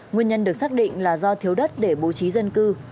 nguyên nhân được xác định là do thiếu đất để bố trí dân cư